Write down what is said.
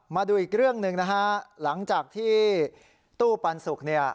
มาดูอีกเรื่องหนึ่งนะฮะหลังจากที่ตู้ปันสุกเนี่ย